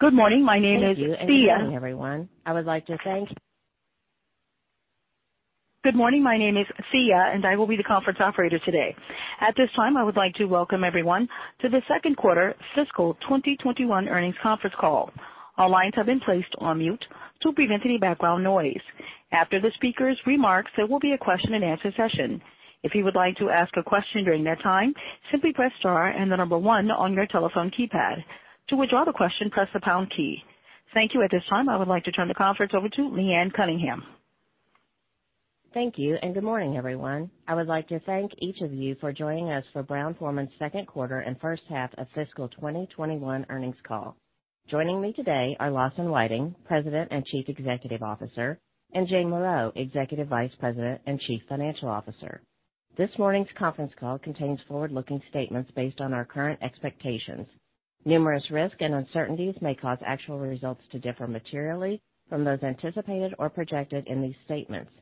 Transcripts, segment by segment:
Good morning. My name is Sia, and I will be the conference operator today. At this time, I would like to welcome everyone to the second quarter fiscal 2021 earnings conference call. All lines have been placed on mute to prevent any background noise. After the speakers' remarks, there will be a question-and-answer session. If you would like to ask a question during that time, simply press star and the number one on your telephone keypad. To withdraw the question, press the pound key. Thank you. At this time, I would like to turn the conference over to Leanne Cunningham. Thank you, and good morning, everyone. I would like to thank each of you for joining us for Brown-Forman's second quarter and first half of fiscal 2021 earnings call. Joining me today are Lawson Whiting, President and Chief Executive Officer, and Jane Morreau, Executive Vice President and Chief Financial Officer. This morning's conference call contains forward-looking statements based on our current expectations. Numerous risks and uncertainties may cause actual results to differ materially from those anticipated or projected in these statements.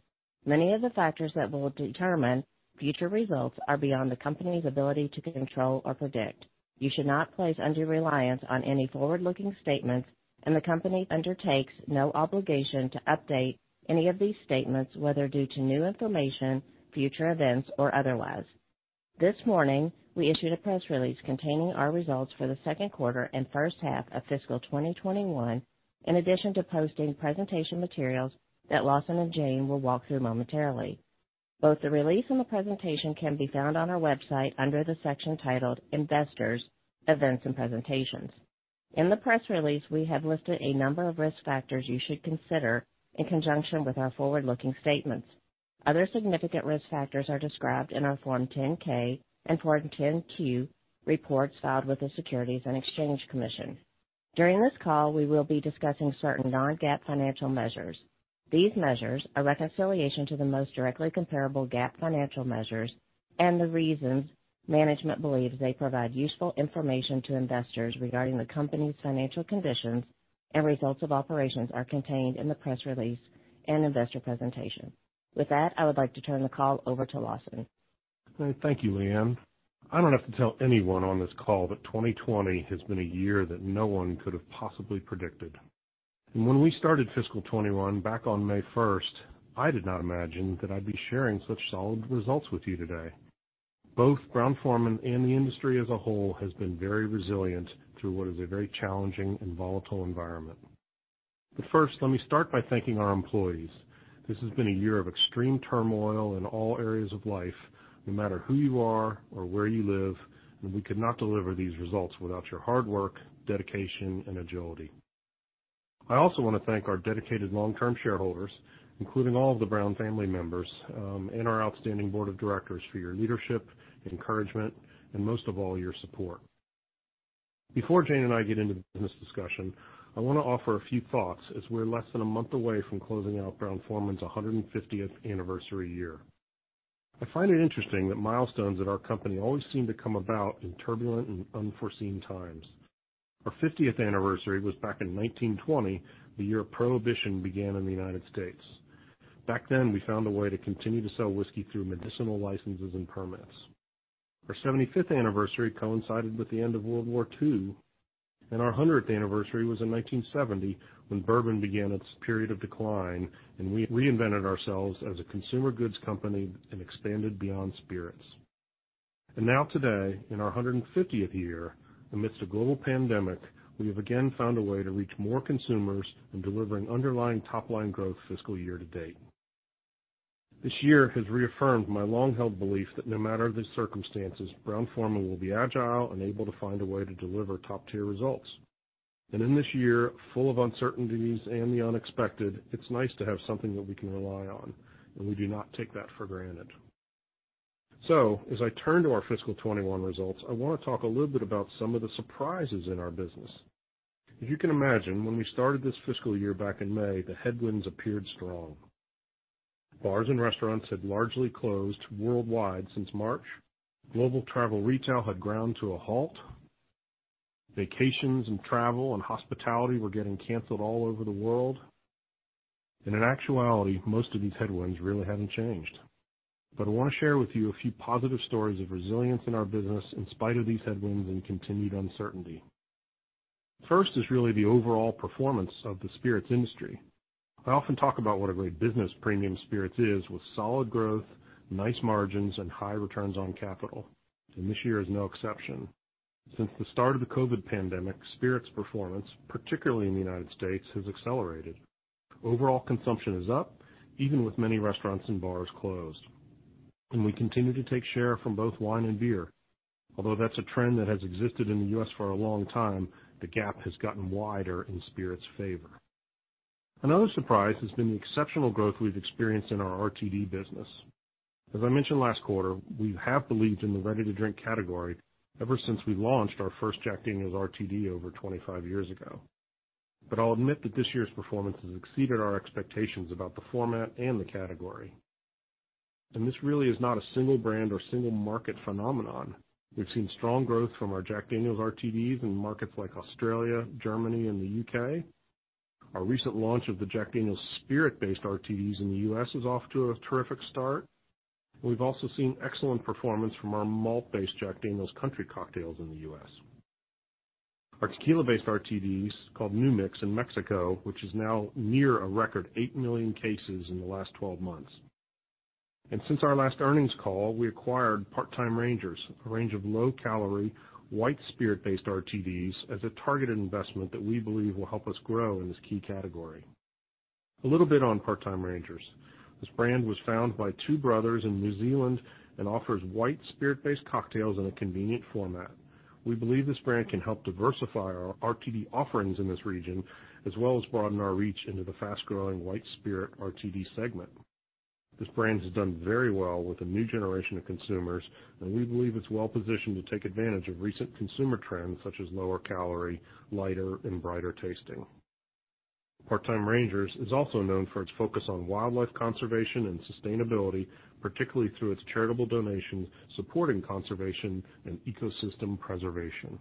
Many of the factors that will determine future results are beyond the company's ability to control or predict. You should not place undue reliance on any forward-looking statements. The company undertakes no obligation to update any of these statements, whether due to new information, future events, or otherwise. This morning, we issued a press release containing our results for the second quarter and first half of fiscal 2021, in addition to posting presentation materials that Lawson and Jane will walk through momentarily. Both the release and the presentation can be found on our website under the section titled Investors, Events and Presentations. In the press release, we have listed a number of risk factors you should consider in conjunction with our forward-looking statements. Other significant risk factors are described in our Form 10-K and Form 10-Q reports filed with the Securities and Exchange Commission. During this call, we will be discussing certain non-GAAP financial measures. These measures, a reconciliation to the most directly comparable GAAP financial measures, and the reasons management believes they provide useful information to investors regarding the company's financial conditions and results of operations, are contained in the press release and investor presentation. With that, I would like to turn the call over to Lawson. Thank you, Leanne. I don't have to tell anyone on this call that 2020 has been a year that no one could have possibly predicted. When we started fiscal 2021 back on May 1st, I did not imagine that I'd be sharing such solid results with you today. Both Brown-Forman and the industry as a whole has been very resilient through what is a very challenging and volatile environment. First, let me start by thanking our employees. This has been a year of extreme turmoil in all areas of life, no matter who you are or where you live, and we could not deliver these results without your hard work, dedication, and agility. I also want to thank our dedicated long-term shareholders, including all of the Brown family members, and our outstanding board of directors for your leadership, encouragement, and most of all, your support. Before Jane and I get into the business discussion, I want to offer a few thoughts as we're less than a month away from closing out Brown-Forman's 150th anniversary year. I find it interesting that milestones at our company always seem to come about in turbulent and unforeseen times. Our 50th anniversary was back in 1920, the year Prohibition began in the United States. Back then, we found a way to continue to sell whiskey through medicinal licenses and permits. Our 75th anniversary coincided with the end of World War II, and our 100th anniversary was in 1970, when bourbon began its period of decline, and we reinvented ourselves as a consumer goods company and expanded beyond spirits. Now today, in our 150th year, amidst a global pandemic, we have again found a way to reach more consumers and delivering underlying top-line growth fiscal year-to-date. This year has reaffirmed my long-held belief that no matter the circumstances, Brown-Forman will be agile and able to find a way to deliver top-tier results. In this year, full of uncertainties and the unexpected, it's nice to have something that we can rely on, and we do not take that for granted. As I turn to our fiscal 2021 results, I want to talk a little bit about some of the surprises in our business. As you can imagine, when we started this fiscal year back in May, the headwinds appeared strong. Bars and restaurants had largely closed worldwide since March. Global travel retail had ground to a halt. Vacations and travel and hospitality were getting canceled all over the world. In actuality, most of these headwinds really haven't changed. I want to share with you a few positive stories of resilience in our business in spite of these headwinds and continued uncertainty. First is really the overall performance of the spirits industry. I often talk about what a great business premium spirits is, with solid growth, nice margins, and high returns on capital. This year is no exception. Since the start of the COVID-19 pandemic, spirits performance, particularly in the U.S., has accelerated. Overall consumption is up, even with many restaurants and bars closed. We continue to take share from both wine and beer. That's a trend that has existed in the U.S. for a long time, the gap has gotten wider in spirits favor. Another surprise has been the exceptional growth we've experienced in our RTD business. As I mentioned last quarter, we have believed in the ready-to-drink category ever since we launched our first Jack Daniel's RTD over 25 years ago. I'll admit that this year's performance has exceeded our expectations about the format and the category. This really is not a single brand or single market phenomenon. We've seen strong growth from our Jack Daniel's RTDs in markets like Australia, Germany, and the U.K. Our recent launch of the Jack Daniel's Spirit-based RTDs in the U.S. is off to a terrific start. We've also seen excellent performance from our malt-based Jack Daniel's Country Cocktails in the U.S. Our tequila-based RTDs, called New Mix in Mexico, which is now near a record 8 million cases in the last 12 months. Since our last earnings call, we acquired Part Time Rangers, a range of low-calorie, white spirit-based RTDs as a targeted investment that we believe will help us grow in this key category. A little bit on Part Time Rangers. This brand was found by two brothers in New Zealand and offers white spirit-based cocktails in a convenient format. We believe this brand can help diversify our RTD offerings in this region, as well as broaden our reach into the fast-growing white spirit RTD segment. This brand has done very well with a new generation of consumers, and we believe it's well-positioned to take advantage of recent consumer trends, such as lower calorie, lighter, and brighter tasting. Part Time Rangers is also known for its focus on wildlife conservation and sustainability, particularly through its charitable donations, supporting conservation, and ecosystem preservation.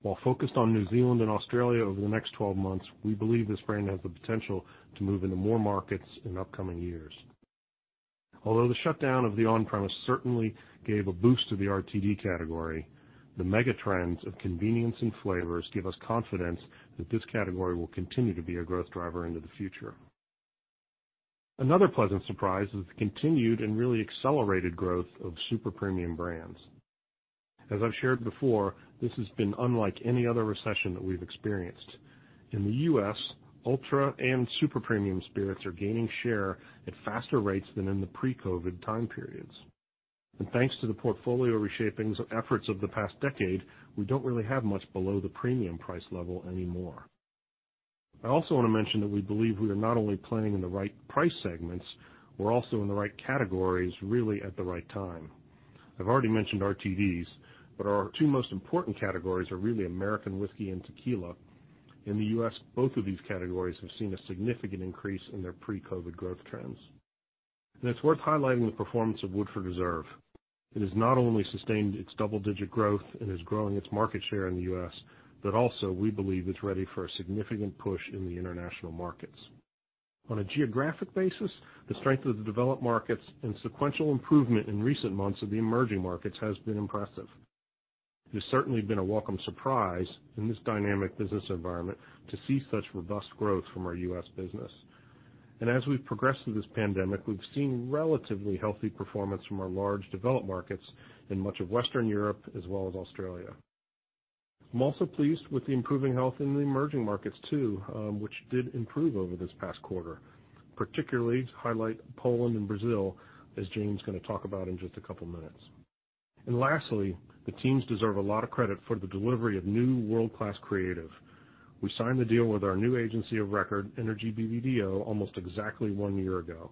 While focused on New Zealand and Australia over the next 12 months, we believe this brand has the potential to move into more markets in upcoming years. Although the shutdown of the on-premise certainly gave a boost to the RTD category, the mega trends of convenience and flavors give us confidence that this category will continue to be a growth driver into the future. Another pleasant surprise is the continued and really accelerated growth of super premium brands. As I've shared before, this has been unlike any other recession that we've experienced. In the U.S., ultra and super premium spirits are gaining share at faster rates than in the pre-COVID time periods. Thanks to the portfolio reshaping efforts of the past decade, we don't really have much below the premium price level anymore. I also want to mention that we believe we are not only playing in the right price segments, we're also in the right categories, really at the right time. I've already mentioned RTDs, but our two most important categories are really American whiskey and tequila. In the U.S., both of these categories have seen a significant increase in their pre-COVID growth trends. It's worth highlighting the performance of Woodford Reserve. It has not only sustained its double-digit growth and is growing its market share in the U.S., but also we believe it's ready for a significant push in the international markets. On a geographic basis, the strength of the developed markets and sequential improvement in recent months of the emerging markets has been impressive. It's certainly been a welcome surprise in this dynamic business environment to see such robust growth from our U.S. business. As we've progressed through this pandemic, we've seen relatively healthy performance from our large developed markets in much of Western Europe as well as Australia. I'm also pleased with the improving health in the emerging markets too, which did improve over this past quarter, particularly to highlight Poland and Brazil, as Jane's going to talk about in just a couple of minutes. Lastly, the teams deserve a lot of credit for the delivery of new world-class creative. We signed the deal with our new agency of record, Energy BBDO, almost exactly one year ago.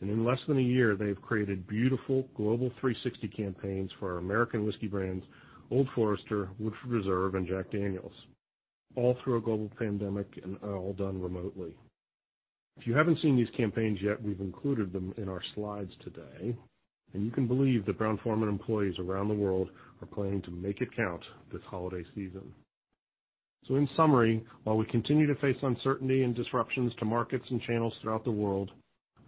In less than a year, they've created beautiful global 360 campaigns for our American whiskey brands, Old Forester, Woodford Reserve, and Jack Daniel's, all through a global pandemic and all done remotely. If you haven't seen these campaigns yet, we've included them in our slides today. You can believe that Brown-Forman employees around the world are planning to Make It Count this holiday season. In summary, while we continue to face uncertainty and disruptions to markets and channels throughout the world,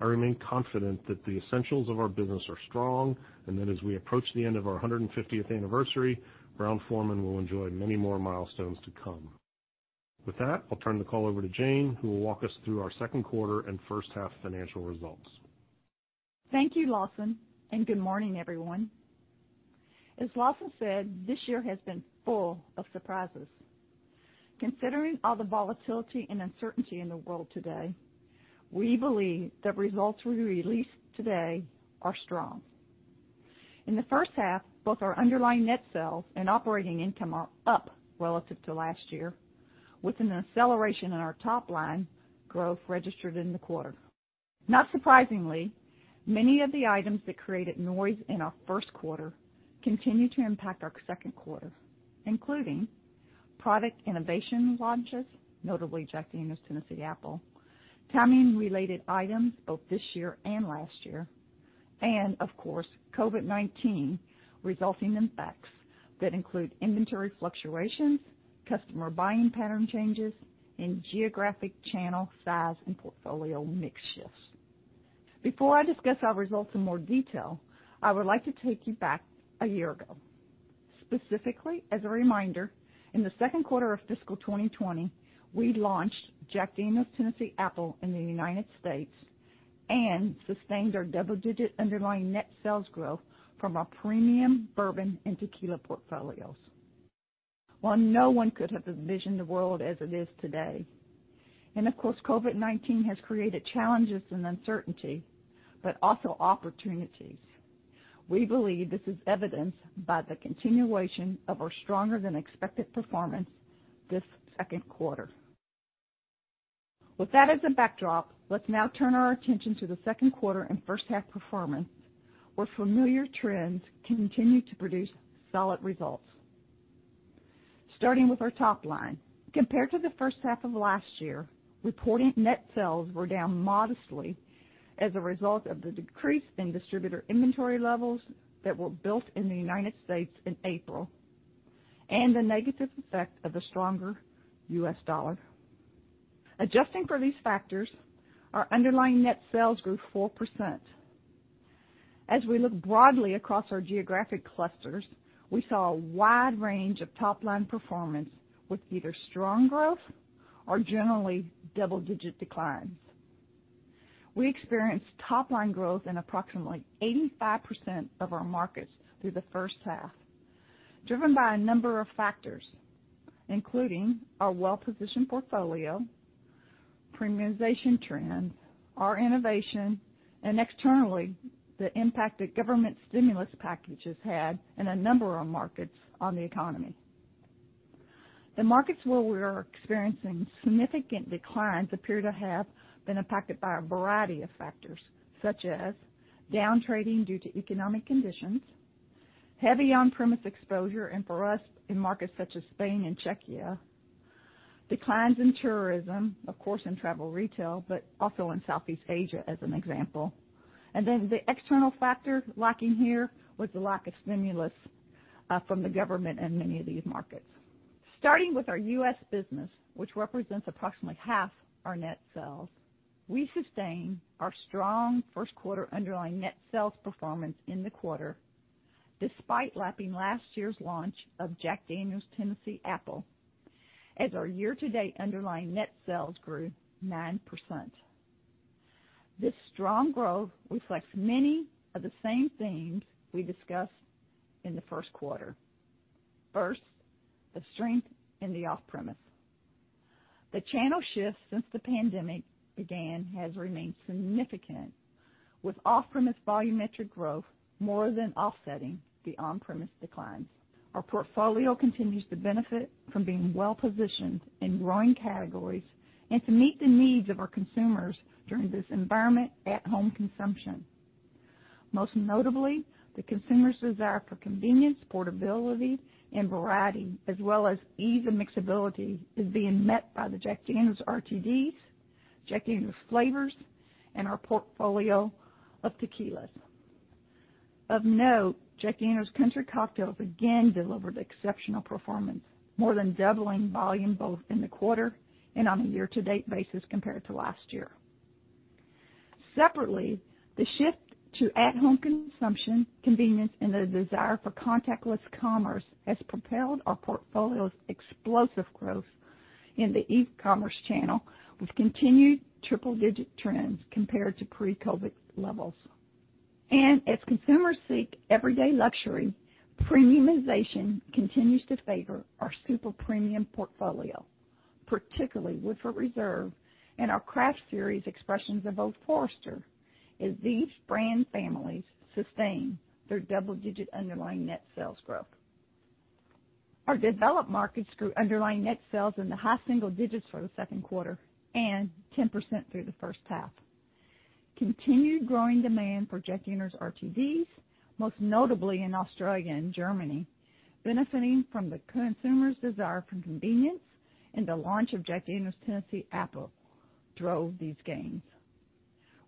I remain confident that the essentials of our business are strong, and that as we approach the end of our 150th anniversary, Brown-Forman will enjoy many more milestones to come. With that, I'll turn the call over to Jane, who will walk us through our second quarter and first-half financial results. Thank you, Lawson, and good morning, everyone. As Lawson said, this year has been full of surprises. Considering all the volatility and uncertainty in the world today, we believe the results we release today are strong. In the first half, both our underlying net sales and operating income are up relative to last year, with an acceleration in our top line growth registered in the quarter. Not surprisingly, many of the items that created noise in our first quarter continue to impact our second quarter, including product innovation launches, notably Jack Daniel's Tennessee Apple, timing-related items both this year and last year. Of course, COVID-19, resulting in facts that include inventory fluctuations, customer buying pattern changes, and geographic channel size and portfolio mix shifts. Before I discuss our results in more detail, I would like to take you back a year ago. Specifically, as a reminder, in the second quarter of fiscal 2020, we launched Jack Daniel's Tennessee Apple in the U.S. and sustained our double-digit underlying net sales growth from our premium bourbon and tequila portfolios. While no one could have envisioned the world as it is today, and of course, COVID-19 has created challenges and uncertainty, but also opportunities. We believe this is evidenced by the continuation of our stronger than expected performance this second quarter. With that as a backdrop, let's now turn our attention to the second quarter and first-half performance, where familiar trends continue to produce solid results. Starting with our top line. Compared to the first half of last year, reporting net sales were down modestly as a result of the decrease in distributor inventory levels that were built in the U.S. in April, and the negative effect of the stronger U.S. dollar. Adjusting for these factors, our underlying net sales grew 4%. As we look broadly across our geographic clusters, we saw a wide range of top-line performance with either strong growth or generally double-digit declines. We experienced top line growth in approximately 85% of our markets through the first half, driven by a number of factors, including our well-positioned portfolio, premiumization trends, our innovation, and externally, the impact that government stimulus packages had in a number of markets on the economy. The markets where we are experiencing significant declines appear to have been impacted by a variety of factors, such as down trading due to economic conditions, heavy on-premise exposure, and for us, in markets such as Spain and Czechia, declines in tourism, of course, in travel retail, but also in Southeast Asia, as an example. The external factor lacking here was the lack of stimulus from the government in many of these markets. Starting with our U.S. business, which represents approximately half our net sales, we sustained our strong first quarter underlying net sales performance in the quarter, despite lapping last year's launch of Jack Daniel's Tennessee Apple, as our year-to-date underlying net sales grew 9%. This strong growth reflects many of the same themes we discussed in the first quarter. First, the strength in the off-premise. The channel shift since the pandemic began has remained significant with off-premise volumetric growth more than offsetting the on-premise declines. Our portfolio continues to benefit from being well-positioned in growing categories and to meet the needs of our consumers during this environment at home consumption. Most notably, the consumer's desire for convenience, portability, and variety, as well as ease of mixability, is being met by the Jack Daniel's RTDs, Jack Daniel's flavors, and our portfolio of tequilas. Of note, Jack Daniel's Country Cocktails again delivered exceptional performance, more than doubling volume both in the quarter and on a year-to-date basis compared to last year. Separately, the shift to at-home consumption, convenience, and the desire for contactless commerce has propelled our portfolio's explosive growth in the e-commerce channel, with continued triple-digit trends compared to pre-COVID levels. As consumers seek everyday luxury, premiumization continues to favor our super premium portfolio, particularly Woodford Reserve and our Craft Series expressions of Old Forester, as these brand families sustain their double-digit underlying net sales growth. Our developed markets grew underlying net sales in the high single digits for the second quarter and 10% through the first half. Continued growing demand for Jack Daniel's RTDs, most notably in Australia and Germany, benefiting from the consumer's desire for convenience and the launch of Jack Daniel's Tennessee Apple, drove these gains.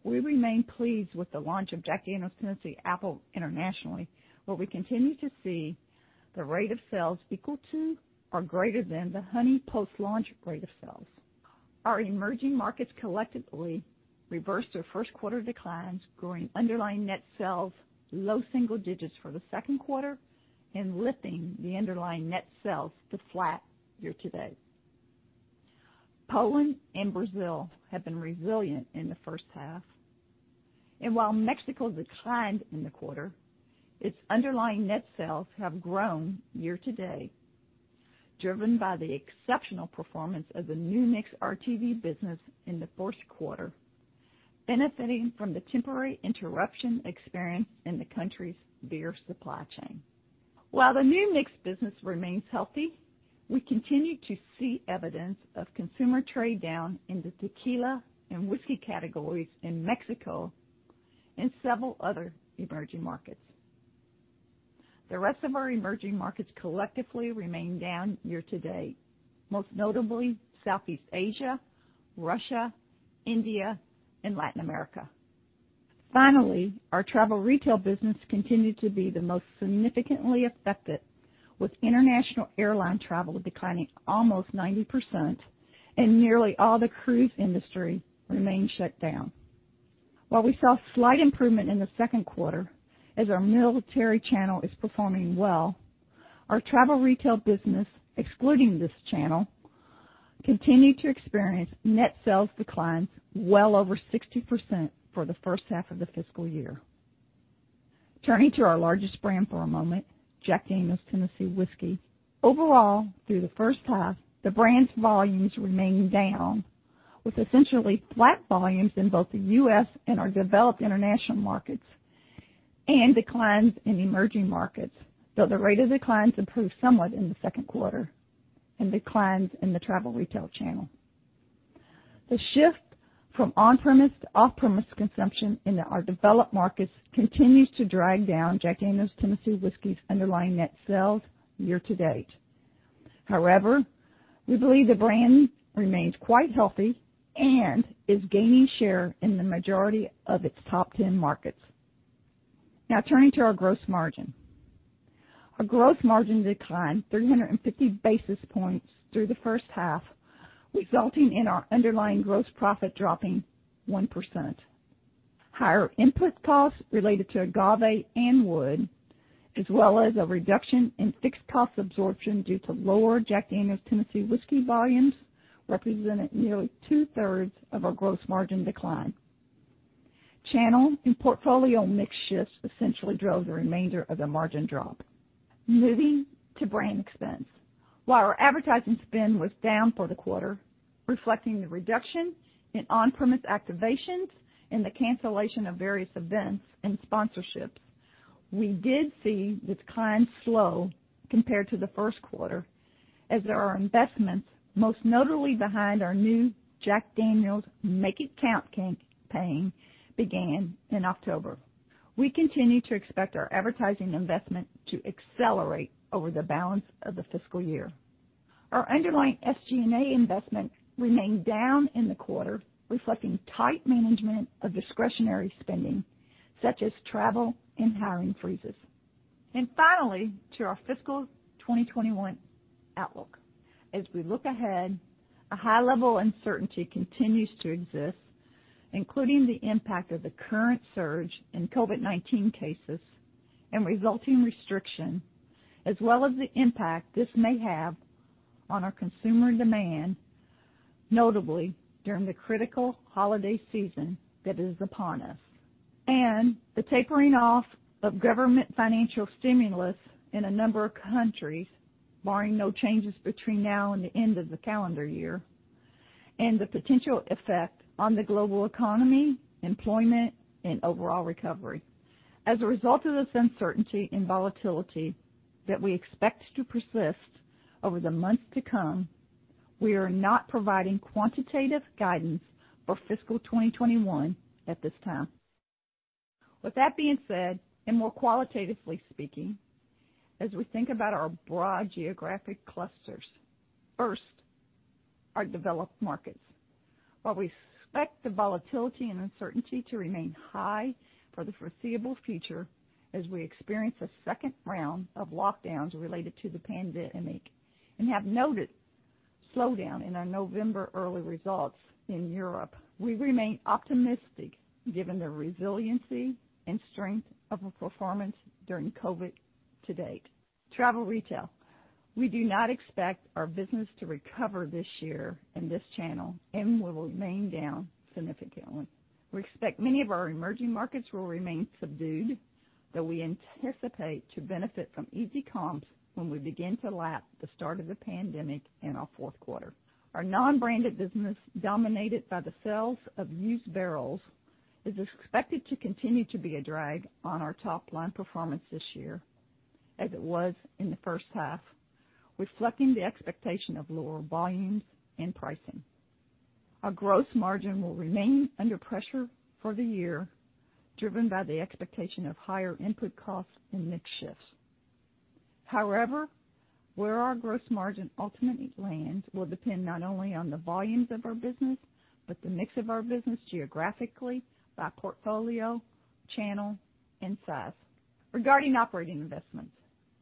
We remain pleased with the launch of Jack Daniel's Tennessee Apple internationally, where we continue to see the rate of sales equal to or greater than the Honey post-launch rate of sales. Our emerging markets collectively reversed their first quarter declines, growing underlying net sales low single digits for the second quarter and lifting the underlying net sales to flat year-to-date. Poland and Brazil have been resilient in the first half. While Mexico declined in the quarter, its underlying net sales have grown year-to-date, driven by the exceptional performance of the New Mix RTD business in the first quarter, benefiting from the temporary interruption experienced in the country's beer supply chain. While the New Mix business remains healthy, we continue to see evidence of consumer trade down in the tequila and whiskey categories in Mexico and several other emerging markets. The rest of our emerging markets collectively remain down year-to-date, most notably Southeast Asia, Russia, India, and Latin America. Finally, our travel retail business continued to be the most significantly affected, with international airline travel declining almost 90% and nearly all the cruise industry remain shut down. While we saw slight improvement in the second quarter, as our military channel is performing well, our travel retail business, excluding this channel, continued to experience net sales declines well over 60% for the first half of the fiscal year. Turning to our largest brand for a moment, Jack Daniel's Tennessee Whiskey. Overall, through the first half, the brand's volumes remained down, with essentially flat volumes in both the U.S. and our developed international markets and declines in emerging markets, though the rate of declines improved somewhat in the second quarter, and declines in the travel retail channel. The shift from on-premise to off-premise consumption in our developed markets continues to drag down Jack Daniel's Tennessee Whiskey's underlying net sales year-to-date. We believe the brand remains quite healthy and is gaining share in the majority of its top 10 markets. Turning to our gross margin. Our gross margin declined 350 basis points through the first half, resulting in our underlying gross profit dropping 1%. Higher input costs related to agave and wood, as well as a reduction in fixed cost absorption due to lower Jack Daniel's Tennessee Whiskey volumes, represented nearly 2/3 of our gross margin decline. Channel and portfolio mix shifts essentially drove the remainder of the margin drop. Moving to brand expense. While our advertising spend was down for the quarter, reflecting the reduction in on-premise activations and the cancellation of various events and sponsorships, we did see the decline slow compared to the first quarter, as our investments, most notably behind our new Jack Daniel's Make It Count campaign, began in October. We continue to expect our advertising investment to accelerate over the balance of the fiscal year. Our underlying SG&A investment remained down in the quarter, reflecting tight management of discretionary spending, such as travel and hiring freezes. Finally, to our fiscal 2021 outlook. As we look ahead, a high level of uncertainty continues to exist, including the impact of the current surge in COVID-19 cases and resulting restriction, as well as the impact this may have on our consumer demand, notably during the critical holiday season that is upon us, and the tapering off of government financial stimulus in a number of countries, barring no changes between now and the end of the calendar year, and the potential effect on the global economy, employment, and overall recovery. As a result of this uncertainty and volatility that we expect to persist over the months to come, we are not providing quantitative guidance for fiscal 2021 at this time. With that being said, and more qualitatively speaking, as we think about our broad geographic clusters, first, our developed markets. While we expect the volatility and uncertainty to remain high for the foreseeable future as we experience a second round of lockdowns related to the pandemic, and have noted slowdown in our November early results in Europe, we remain optimistic given the resiliency and strength of our performance during COVID to date. Travel retail, we do not expect our business to recover this year in this channel and will remain down significantly. We expect many of our emerging markets will remain subdued, though we anticipate to benefit from easy comps when we begin to lap the start of the pandemic in our fourth quarter. Our non-branded business, dominated by the sales of used barrels, is expected to continue to be a drag on our top-line performance this year, as it was in the first half, reflecting the expectation of lower volumes and pricing. Our gross margin will remain under pressure for the year, driven by the expectation of higher input costs and mix shifts. However, where our gross margin ultimately lands will depend not only on the volumes of our business, but the mix of our business geographically, by portfolio, channel, and size. Regarding operating investments,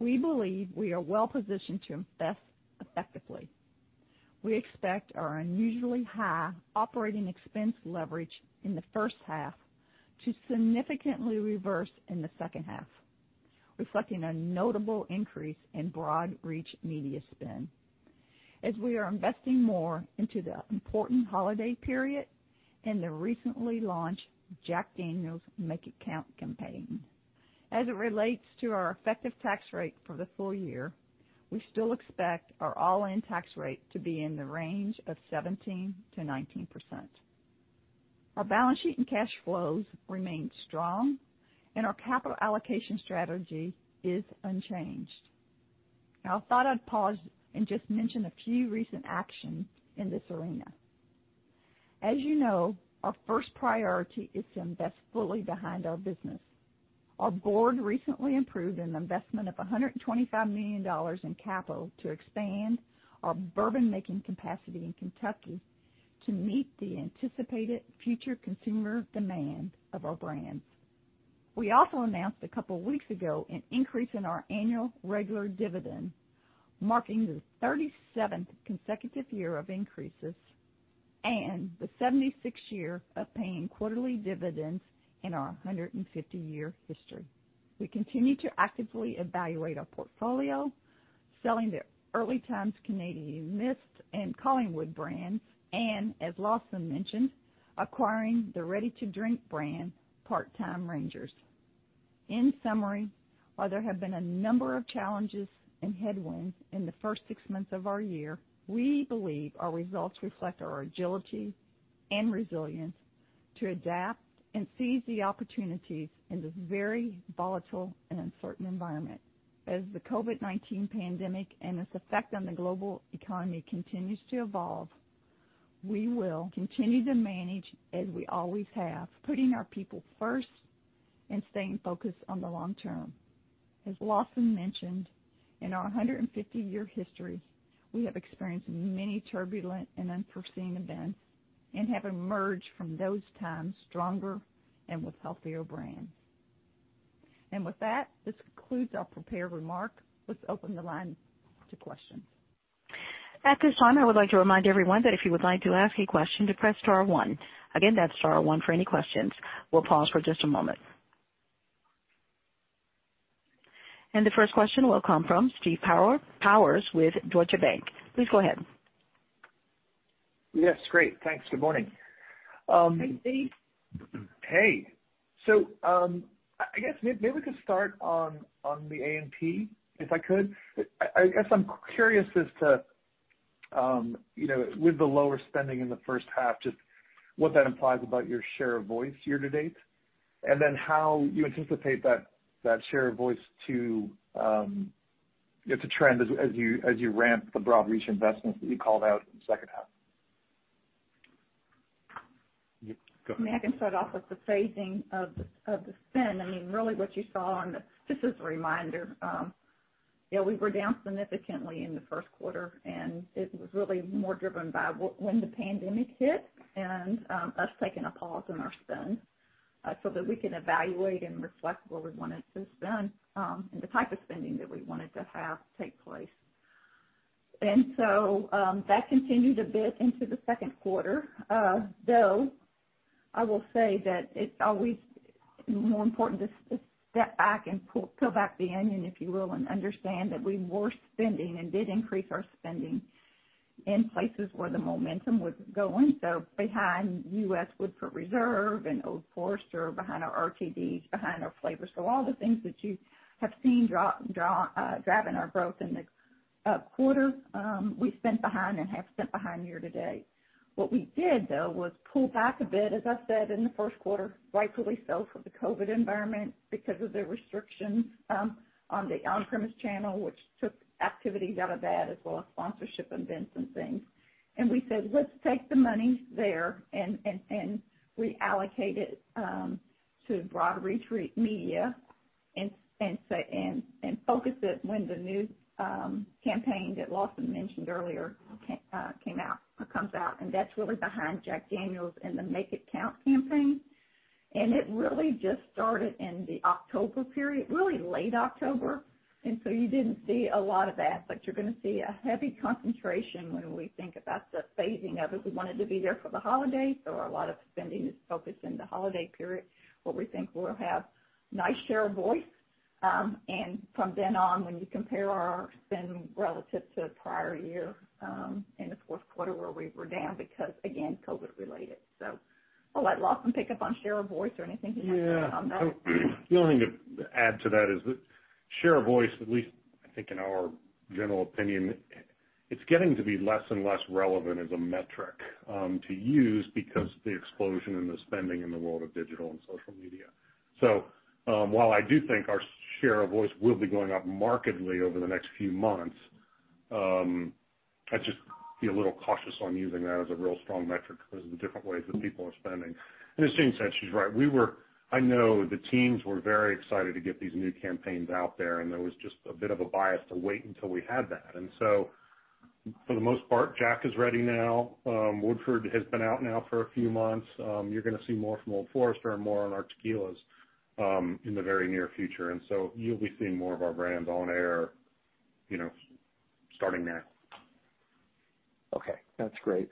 we believe we are well positioned to invest effectively. We expect our unusually high operating expense leverage in the first half to significantly reverse in the second half, reflecting a notable increase in broad reach media spend as we are investing more into the important holiday period and the recently launched Jack Daniel's Make It Count campaign. As it relates to our effective tax rate for the full year, we still expect our all-in tax rate to be in the range of 17%-19%. Our balance sheet and cash flows remain strong and our capital allocation strategy is unchanged. I thought I'd pause and just mention a few recent actions in this arena. As you know, our first priority is to invest fully behind our business. Our Board recently approved an investment of $125 million in capital to expand our bourbon-making capacity in Kentucky to meet the anticipated future consumer demand of our brands. We also announced a couple weeks ago an increase in our annual regular dividend, marking the 37th consecutive year of increases and the 76th year of paying quarterly dividends in our 150-year history. We continue to actively evaluate our portfolio, selling the Early Times Canadian Mist and Collingwood brands, and as Lawson mentioned, acquiring the ready-to-drink brand Part Time Rangers. In summary, while there have been a number of challenges and headwinds in the first six months of our year, we believe our results reflect our agility and resilience to adapt and seize the opportunities in this very volatile and uncertain environment. As the COVID-19 pandemic and its effect on the global economy continues to evolve, we will continue to manage as we always have, putting our people first and staying focused on the long term. As Lawson mentioned, in our 150-year history, we have experienced many turbulent and unforeseen events and have emerged from those times stronger and with healthier brands. With that, this concludes our prepared remarks. Let's open the line to questions. At this time I would like to remind everyone that if you would like to ask a question to press star one, again press star one to ask any questions. We'll pause for just a moment. The first question will come from Steve Powers with Deutsche Bank. Please go ahead. Yes. Great. Thanks. Good morning. Hey, Steve. Hey. I guess maybe we could start on the A&P, if I could. I guess I'm curious as to, with the lower spending in the first half, just what that implies about your share of voice year-to-date, and then how you anticipate that share of voice to trend as you ramp the broad reach investments that you called out in the second half. Yeah. I can start off with the phasing of the spend. Just as a reminder, yeah, we were down significantly in the first quarter, and it was really more driven by when the pandemic hit and us taking a pause in our spend, so that we can evaluate and reflect what we wanted to spend, and the type of spending that we wanted to have take place. That continued a bit into the second quarter. I will say that it's always more important to step back and peel back the onion, if you will, and understand that we were spending and did increase our spending in places where the momentum was going. Behind U.S. Woodford Reserve and Old Forester, behind our RTDs, behind our flavors. All the things that you have seen driving our growth in the quarter, we've spent behind and have spent behind year-to-date. What we did, though, was pull back a bit, as I said, in the first quarter, rightfully so, for the COVID environment because of the restrictions on the on-premise channel, which took activities out of that as well as sponsorship events and things. We said, "Let's take the money there and reallocate it to broad reach media and focus it when the new campaign that Lawson mentioned earlier comes out." That's really behind Jack Daniel's and the Make It Count campaign. It really just started in the October period, really late October. You didn't see a lot of that, but you're going to see a heavy concentration when we think about the phasing of it. We wanted to be there for the holidays. A lot of spending is focused in the holiday period, where we think we'll have nice share of voice. From then on, when you compare our spend relative to the prior year, in the fourth quarter, where we were down because, again, COVID related. I'll let Lawson pick up on share of voice or anything he wants to add on that. Yeah. The only thing to add to that is that share of voice, at least I think in our general opinion, it's getting to be less and less relevant as a metric to use because of the explosion in the spending in the world of digital and social media. While I do think our share of voice will be going up markedly over the next few months, I'd just be a little cautious on using that as a real strong metric because of the different ways that people are spending. In a sense, she's right. I know the teams were very excited to get these new campaigns out there, and there was just a bit of a bias to wait until we had that. For the most part, Jack is ready now. Woodford has been out now for a few months. You're going to see more from Old Forester and more on our tequilas in the very near future. You'll be seeing more of our brands on air starting there. Okay. That's great.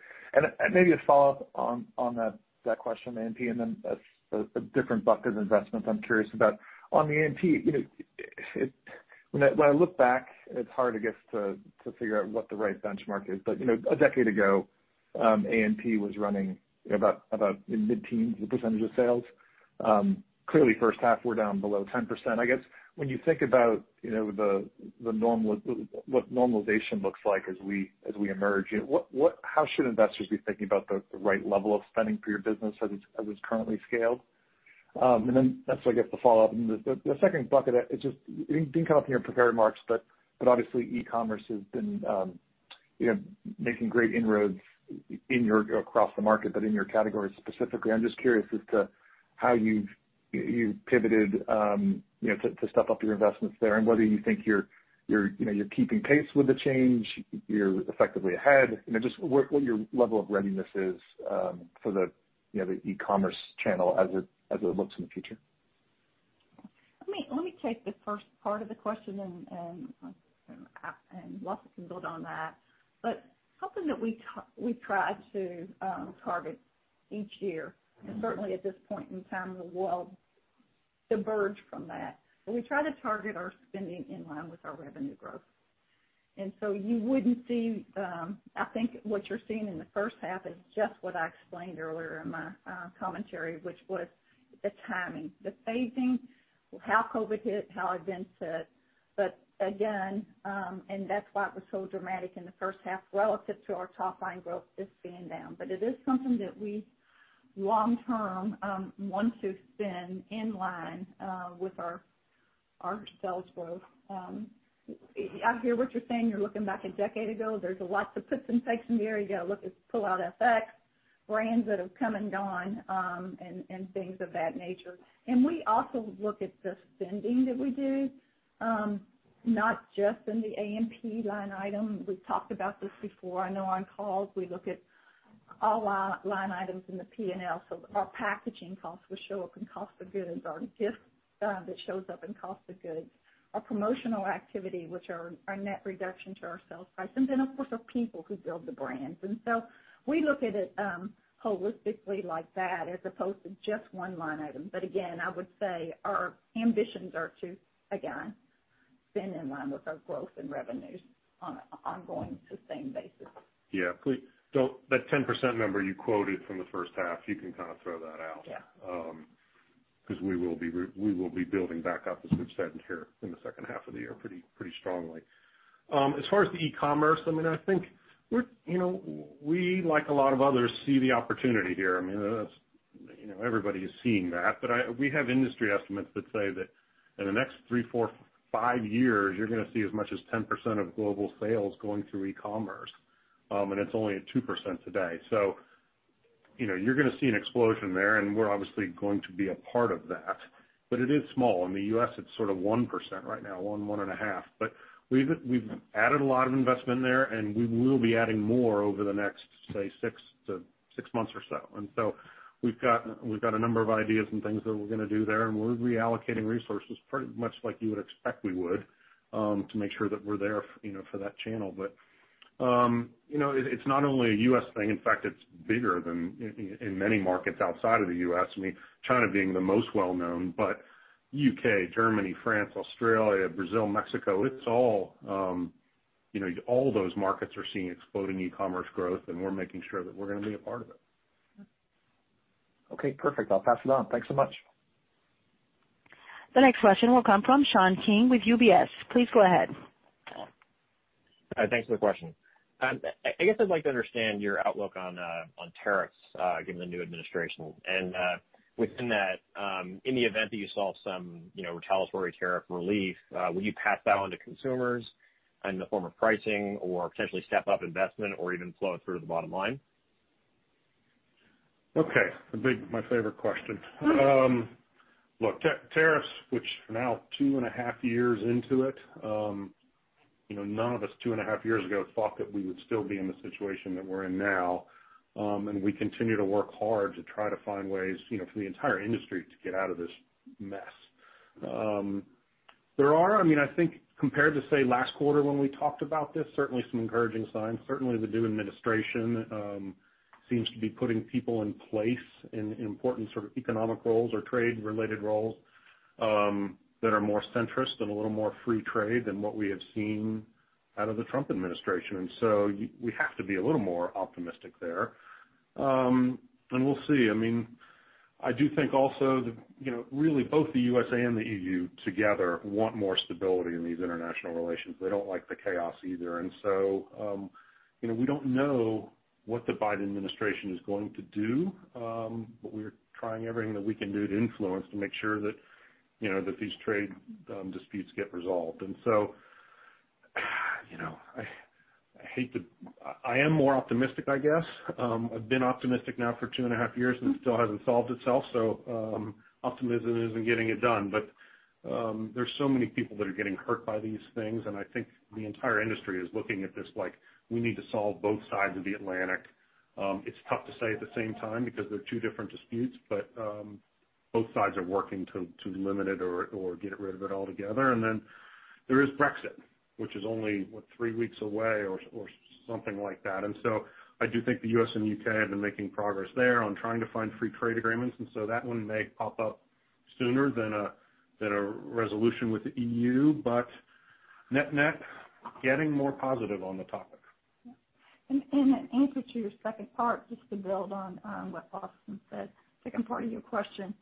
Maybe a follow-up on that question on A&P, and then a different bucket of investments I'm curious about. On the A&P, when I look back, it's hard, I guess, to figure out what the right benchmark is. A decade ago, A&P was running about in mid-teens as a percentage of sales. Clearly, first half we're down below 10%. I guess, when you think about what normalization looks like as we emerge, how should investors be thinking about the right level of spending for your business as it's currently scaled? Then that's, I guess, the follow-up. The second bucket, it didn't come up in your prepared remarks, but obviously, e-commerce has been making great inroads across the market, but in your category specifically. I'm just curious as to how you've pivoted to step up your investments there and whether you think you're keeping pace with the change, you're effectively ahead, just what your level of readiness is for the e-commerce channel as it looks in the future. Let me take the first part of the question. Lawson can build on that. Something that we try to target each year, and certainly at this point in time, we'll diverge from that, but we try to target our spending in line with our revenue growth. I think what you're seeing in the first half is just what I explained earlier in my commentary, which was the timing, the phasing, how COVID hit, how events hit. But again, that's why it was so dramatic in the first half relative to our top line growth just being down. It is something that we long-term want to spend in line with our sales growth. I hear what you're saying. You're looking back a decade ago. There's lots of puts and takes in there. You got to look at pullout effects, brands that have come and gone, and things of that nature. We also look at the spending that we do, not just in the A&P line item. We've talked about this before, I know on calls, we look at all our line items in the P&L. Our packaging costs will show up in cost of goods. Our gift that shows up in cost of goods, our promotional activity, which are a net reduction to our sales price, and then, of course, our people who build the brands. We look at it holistically like that as opposed to just one line item. Again, I would say our ambitions are to, again, spend in line with our growth in revenues on an ongoing sustained basis. Yeah. That 10% number you quoted from the first half, you can kind of throw that out. Yeah. Because we will be building back up, as we've said in here, in the second half of the year pretty strongly. As far as the e-commerce, I think we, like a lot of others, see the opportunity here. Everybody is seeing that. We have industry estimates that say that in the next three, four, five years, you're going to see as much as 10% of global sales going through e-commerce. It's only at 2% today. You're going to see an explosion there, and we're obviously going to be a part of that. It is small. In the U.S., it's sort of 1% right now, 1%-1.5%. We've added a lot of investment there, and we will be adding more over the next, say, six months or so. We've got a number of ideas and things that we're going to do there, and we're reallocating resources pretty much like you would expect we would to make sure that we're there for that channel. It's not only a U.S. thing. In fact, it's bigger in many markets outside of the U.S., China being the most well-known, but U.K., Germany, France, Australia, Brazil, Mexico. All those markets are seeing exploding e-commerce growth, and we're making sure that we're going to be a part of it. Okay, perfect. I'll pass it on. Thanks so much. The next question will come from Sean King with UBS. Please go ahead. Thanks for the question. I guess I'd like to understand your outlook on tariffs given the new administration. Within that, in the event that you saw some retaliatory tariff relief, will you pass that on to consumers in the form of pricing or potentially step up investment or even flow it through to the bottom line? Okay. My favorite question. Look, tariffs, which are now two and a half years into it. None of us two and a half years ago thought that we would still be in the situation that we're in now. We continue to work hard to try to find ways for the entire industry to get out of this mess. I think compared to, say, last quarter when we talked about this, certainly some encouraging signs. Certainly, the new administration seems to be putting people in place in important sort of economic roles or trade-related roles that are more centrist and a little more free trade than what we have seen out of the Trump administration. So we have to be a little more optimistic there. We'll see. I do think also that really both the U.S.A. and the EU together want more stability in these international relations. They don't like the chaos either. We don't know what the Biden administration is going to do. We're trying everything that we can do to influence, to make sure that these trade disputes get resolved. I am more optimistic, I guess. I've been optimistic now for two and a half years, and it still hasn't solved itself. Optimism isn't getting it done. There's so many people that are getting hurt by these things, and I think the entire industry is looking at this like we need to solve both sides of the Atlantic. It's tough to say at the same time because they're two different disputes, but both sides are working to limit it or get rid of it altogether. There is Brexit, which is only, what, three weeks away or something like that. I do think the U.S. and U.K. have been making progress there on trying to find free trade agreements, and so that one may pop up sooner than a resolution with the EU, but net-net, getting more positive on the topic. In answer to your second part, just to build on what Lawson said, second part of your question.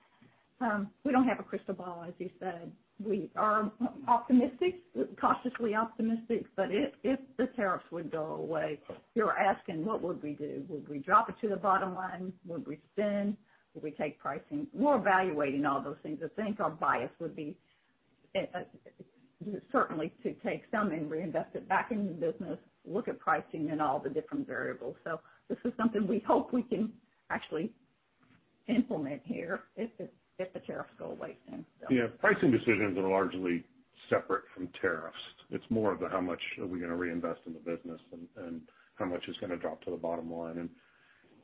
We don't have a crystal ball, as you said. We are optimistic, cautiously optimistic. If the tariffs would go away, you're asking, what would we do? Would we drop it to the bottom line? Would we spend? Would we take pricing? We're evaluating all those things. I think our bias would be certainly to take some and reinvest it back in the business, look at pricing and all the different variables. This is something we hope we can actually implement here if the tariffs go away then, so. Yeah. Pricing decisions are largely separate from tariffs. It's more of the how much are we going to reinvest in the business and how much is going to drop to the bottom line.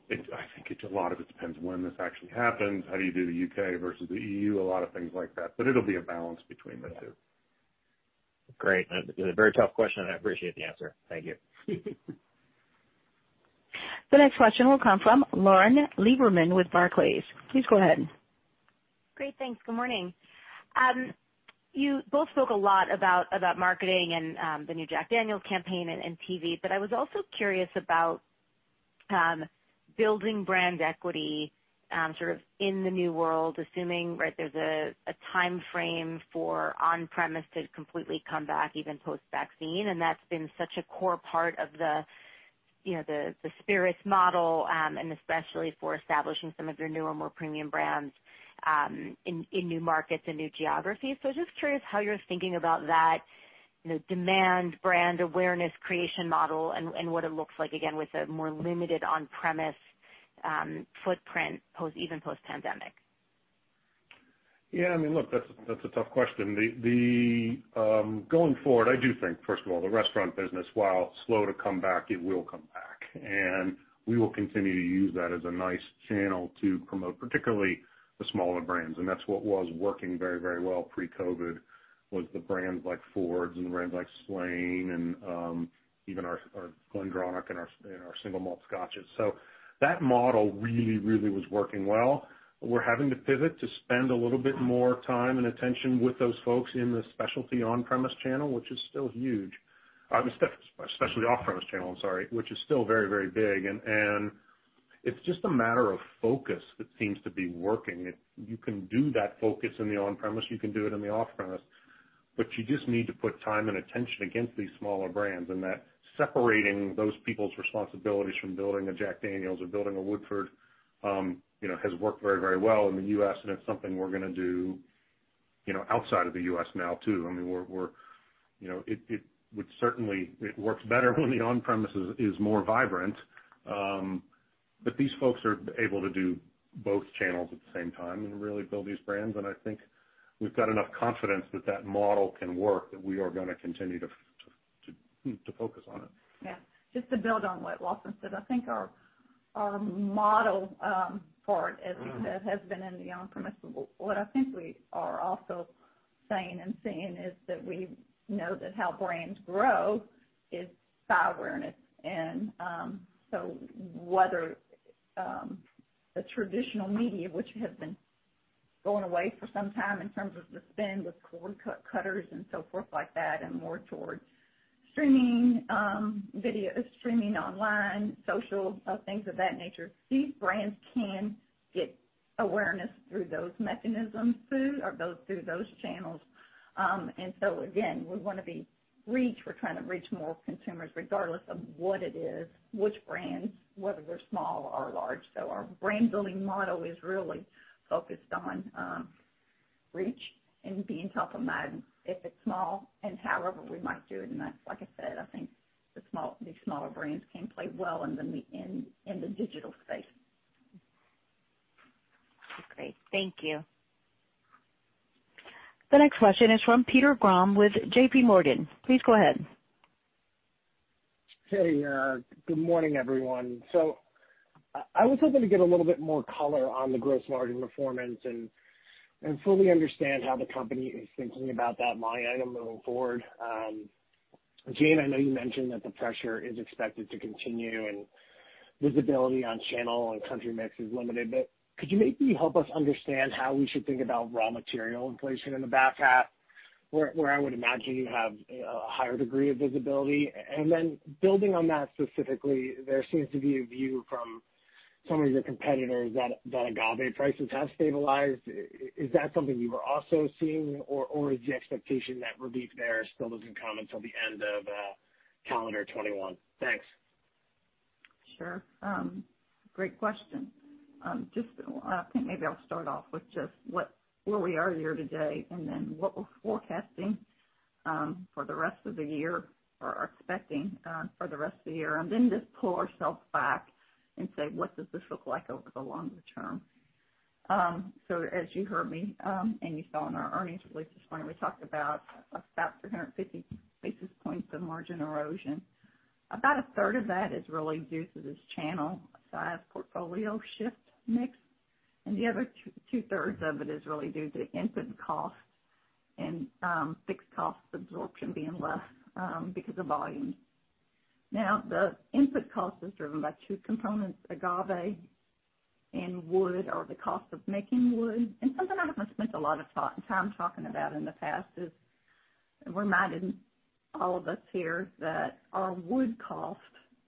I think a lot of it depends on when this actually happens, how do you do the U.K. versus the EU, a lot of things like that. It'll be a balance between the two. Great. A very tough question and I appreciate the answer. Thank you. The next question will come from Lauren Lieberman with Barclays. Please go ahead. Great. Thanks. Good morning. You both spoke a lot about marketing and the new Jack Daniel's campaign and TV. I was also curious about building brand equity in the new world, assuming there's a timeframe for on-premise to completely come back, even post-vaccine. That's been such a core part of the spirits model, and especially for establishing some of your newer, more premium brands, in new markets and new geographies. Just curious how you're thinking about that demand brand awareness creation model and what it looks like, again, with a more limited on-premise footprint, even post-pandemic? Yeah, look, that's a tough question. Going forward, I do think, first of all, the restaurant business, while slow to come back, it will come back. We will continue to use that as a nice channel to promote, particularly the smaller brands. That's what was working very well pre-COVID, was the brands like Fords and the brands like Slane and even our Glendronach and our single malt scotches. That model really was working well. We're having to pivot to spend a little bit more time and attention with those folks in the specialty on-premise channel, which is still huge. The specialty off-premise channel, I'm sorry, which is still very big. It's just a matter of focus that seems to be working. You can do that focus in the on-premise, you can do it in the off-premise. You just need to put time and attention against these smaller brands, and that separating those people's responsibilities from building a Jack Daniel's or building a Woodford, has worked very well in the U.S., and it's something we're going to do outside of the U.S. now too. It works better when the on-premise is more vibrant. These folks are able to do both channels at the same time and really build these brands. I think we've got enough confidence that that model can work, that we are going to continue to focus on it. Just to build on what Lawson said, I think our model part, as you said, has been in the on-premise. What I think we are also saying and seeing is that we know that how brands grow is by awareness. Whether the traditional media, which has been going away for some time in terms of the spend with cord cutters and so forth like that, and more towards streaming videos, streaming online, social, things of that nature, these brands can get awareness through those mechanisms too, or through those channels. Again, we want to be reach. We're trying to reach more consumers regardless of what it is, which brands, whether they're small or large. Our brand building model is really focused on reach and being top of mind. If it's small and however we might do it, that's like I said, I think these smaller brands can play well in the digital space. Okay. Thank you. The next question is from Peter Grom with JPMorgan. Please go ahead. Hey, good morning, everyone. I was hoping to get a little bit more color on the gross margin performance and fully understand how the company is thinking about that line item moving forward. Jane, I know you mentioned that the pressure is expected to continue and visibility on channel and country mix is limited, but could you maybe help us understand how we should think about raw material inflation in the back half, where I would imagine you have a higher degree of visibility? Building on that specifically, there seems to be a view from some of your competitors that agave prices have stabilized. Is that something you are also seeing, or is the expectation that relief there still is in coming until the end of calendar 2021? Thanks. Sure. Great question. I think maybe I'll start off with just where we are year-to-date, and then what we're forecasting for the rest of the year, or are expecting for the rest of the year, and then just pull ourselves back and say, what does this look like over the longer term? As you heard me, and you saw in our earnings release this morning, we talked about [350 basis points of margin erosion. About 1/3 of that is really due to this channel size portfolio shift mix, and the other 2/3 of it is really due to input costs and fixed cost absorption being less because of volume. Now, the input cost is driven by two components, agave and wood, or the cost of making wood. Something I haven't spent a lot of time talking about in the past is reminding all of us here that our wood costs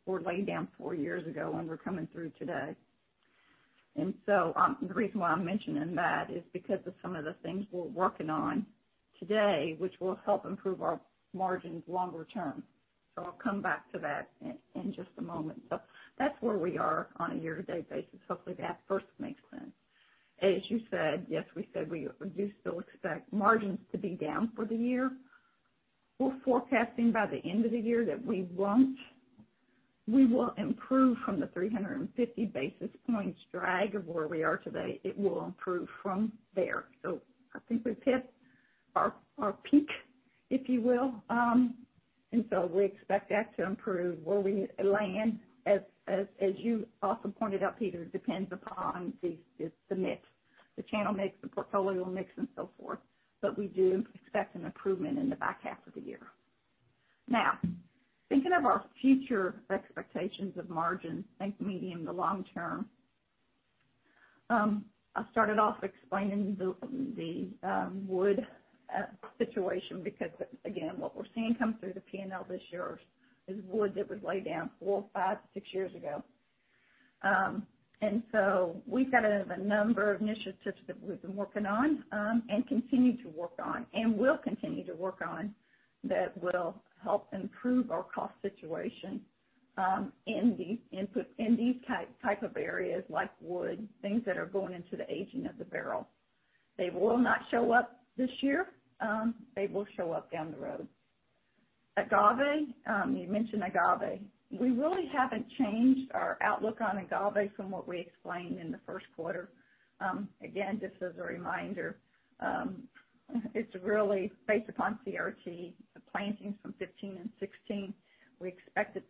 were laid down four years ago, and we're coming through today. The reason why I'm mentioning that is because of some of the things we're working on today, which will help improve our margins longer term. I'll come back to that in just a moment. That's where we are on a year-to-date basis. Hopefully, that first makes sense. As you said, yes, we said we do still expect margins to be down for the year. We're forecasting by the end of the year that we won't. We will improve from the 350 basis points drag of where we are today. It will improve from there. I think we've hit our peak, if you will. We expect that to improve. Where we land, as you also pointed out, Peter, depends upon the mix, the channel mix, the portfolio mix, and so forth. We do expect an improvement in the back half of the year. Thinking of our future expectations of margins, think medium to long term. I started off explaining the wood situation because, again, what we're seeing come through the P&L this year is wood that was laid down four, five, six years ago. We've had a number of initiatives that we've been working on, and continue to work on, and will continue to work on, that will help improve our cost situation in these type of areas like wood, things that are going into the aging of the barrel. They will not show up this year. They will show up down the road. Agave, you mentioned agave. We really haven't changed our outlook on agave from what we explained in the first quarter. Again, just as a reminder, it's really based upon CRT, the plantings from 2015 and 2016. We expected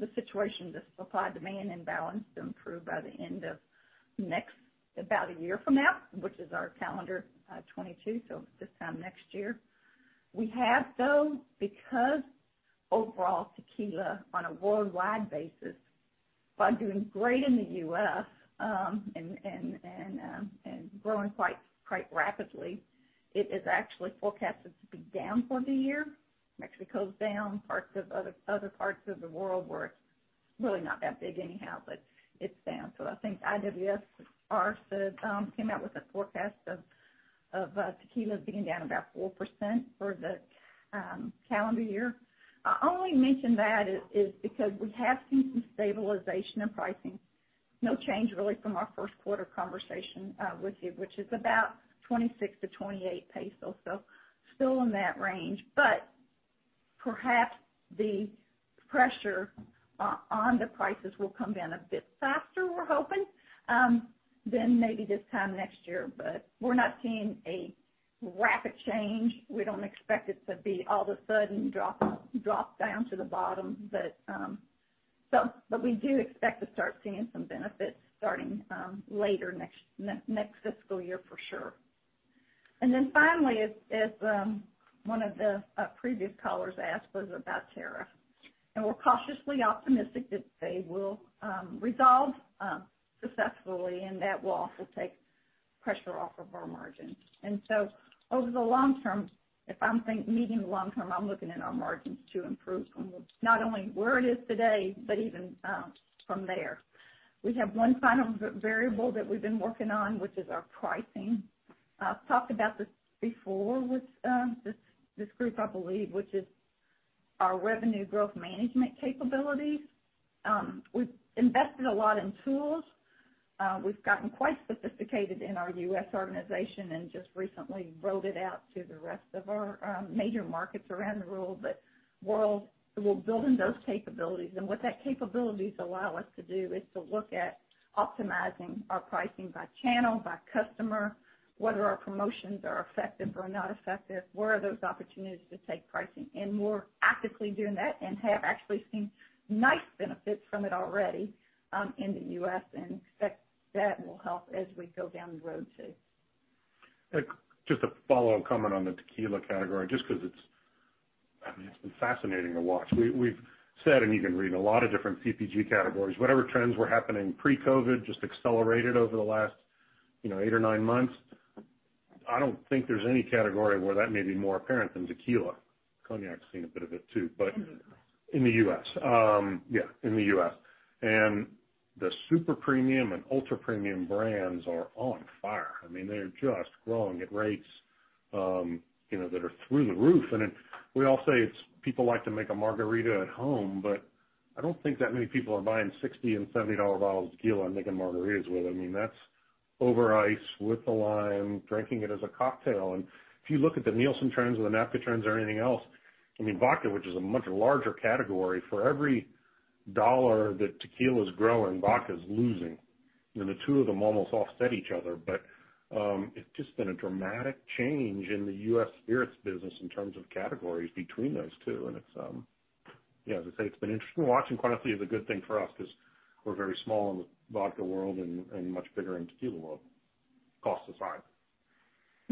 the situation, the supply-demand imbalance, to improve by the end of about a year from now, which is our calendar 2022, so this time next year. We have, though, because overall tequila on a worldwide basis, while doing great in the U.S. and growing quite rapidly, it is actually forecasted to be down for the year. Mexico's down. Other parts of the world where it's really not that big anyhow, but it's down. I think IWSR came out with a forecast of tequila being down about 4% for the calendar year. I only mention that is because we have seen some stabilization in pricing. No change, really, from our first quarter conversation with you, which is about 26 pesos-28 pesos. Still in that range. Perhaps the pressure on the prices will come down a bit faster, we're hoping, than maybe this time next year. We're not seeing a rapid change. We don't expect it to be all of a sudden drop down to the bottom. We do expect to start seeing some benefits starting later next fiscal year, for sure. Finally, as one of the previous callers asked, was about tariff. We're cautiously optimistic that they will resolve successfully, and that will also take pressure off of our margins. Over the long term, if I'm meeting the long term, I'm looking at our margins to improve from not only where it is today, but even from there. We have one final variable that we've been working on, which is our pricing. I've talked about this before with this group, I believe, which is our revenue growth management capabilities. We've invested a lot in tools. We've gotten quite sophisticated in our U.S. organization and just recently rolled it out to the rest of our major markets around the world. We're building those capabilities, and what that capabilities allow us to do is to look at optimizing our pricing by channel, by customer, whether our promotions are effective or not effective, where are those opportunities to take pricing. We're actively doing that and have actually seen nice benefits from it already in the U.S. and expect that will help as we go down the road, too. Just a follow-on comment on the tequila category, just because it's been fascinating to watch. We've said, and you can read a lot of different CPG categories, whatever trends were happening pre-COVID just accelerated over the last eight or nine months. I don't think there's any category where that may be more apparent than tequila. Cognac's seen a bit of it, too. In the U.S. Yeah, in the U.S. The super premium and ultra premium brands are on fire. They're just growing at rates that are through the roof. We all say it's people like to make a margarita at home, but I don't think that many people are buying $60 and $70 bottles of tequila and making margaritas with them. That's over ice, with a lime, drinking it as a cocktail. If you look at the Nielsen trends or the NABCA trends or anything else, vodka, which is a much larger category. For every $1 that tequila's growing, vodka's losing. The two of them almost offset each other. It's just been a dramatic change in the U.S. spirits business in terms of categories between those two. As I say, it's been interesting watching. Quantitatively, it's a good thing for us because we're very small in the vodka world and much bigger in the tequila world. Cost aside.